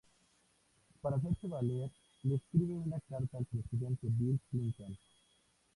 Para hacerse valer, le escribe una carta al presidente Bill Clinton.